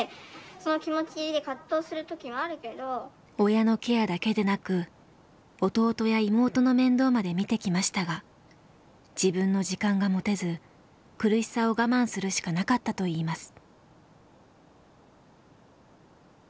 親のケアだけでなく弟や妹の面倒まで見てきましたが自分の時間が持てず苦しさを我慢するしかなかったといいます。